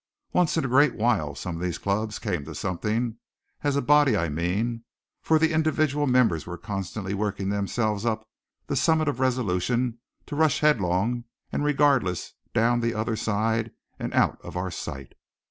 Once in a great while some of these clubs came to something as a body I mean; for individual members were constantly working themselves up the summit of resolution to rush headlong and regardless down the other side and out of our sight.